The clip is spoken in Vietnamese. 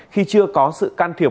khi chưa có sự can phá